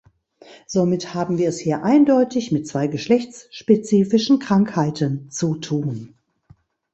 Somit haben wir es hier eindeutig mit zwei geschlechtsspezifischen Krankheiten zu tun.